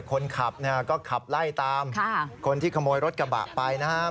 คนขับเนี่ยก็ขับไล่ตามคนที่ขโมยรถกระบะไปนะครับ